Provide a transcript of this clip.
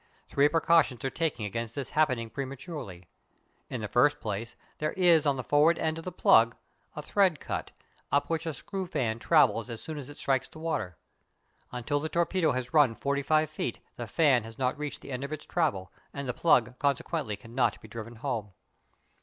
Three precautions are taken against this happening prematurely. In the first place, there is on the forward end of the plug a thread cut, up which a screw fan travels as soon as it strikes the water. Until the torpedo has run forty five feet the fan has not reached the end of its travel, and the plug consequently cannot be driven home.